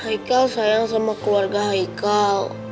haikal sayang sama keluarga haikal